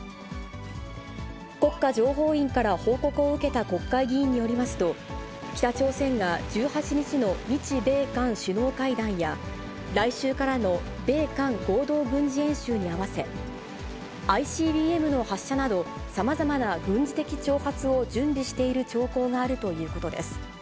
国家情報院から報告を受けた国会議員によりますと、北朝鮮が、１８日の日米韓首脳会談や、来週からの米韓合同軍事演習に合わせ、ＩＣＢＭの発射など、さまざまな軍事的挑発を準備している兆候があるということです。